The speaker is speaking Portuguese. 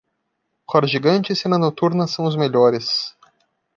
Roda gigante e cena noturna são os melhores